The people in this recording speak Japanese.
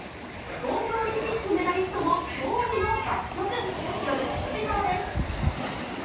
東京オリンピックメダリストも驚異の爆食。